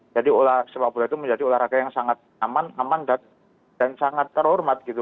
jadi sepak bola itu menjadi olahraga yang sangat aman dan sangat terhormat gitu